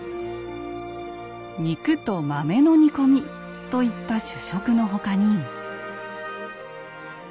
「肉と豆の煮込み」といった主食の他に。